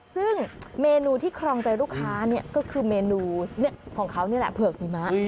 ซึ่งเมนูที่ครองใจลูกค้าเนี่ยก็คือเมนูของเขานี่แหละเผือกหิมะ